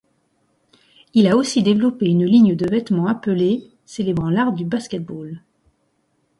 Il a aussi développé une ligne de vêtements appelée ' célébrant l'art du basket-ball.